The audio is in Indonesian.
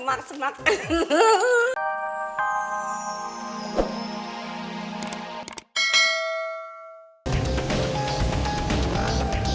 pinter pinter semak semak